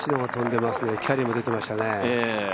キャリーも出てましたね。